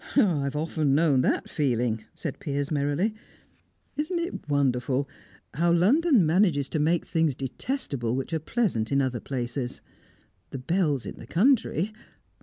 "I have often known that feeling," said Piers merrily. "Isn't it wonderful, how London manages to make things detestable which are pleasant in other places! The bells in the country!